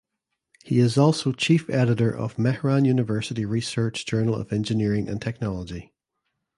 He is also Chief Editor of Mehran University Research Journal of Engineering and Technology.